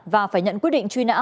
và phải nhận quyết định truy nã